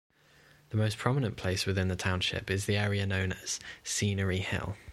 The most prominent place within the township is the area known as Scenery Hill.